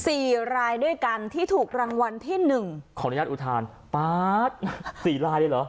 สี่รายด้วยกันที่ถูกรางวัลที่หนึ่งขออนุญาตอุทานป๊าดสี่รายเลยเหรอ